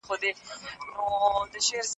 په هر رنګ کي څرګندیږي له شیطانه یمه ستړی